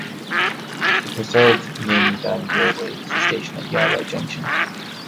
The preserved Nene Valley Railway has a station at Yarwell Junction.